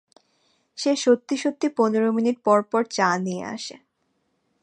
সে সত্যি-সত্যি পনের মিনিট পরপর চা নিয়ে আসে।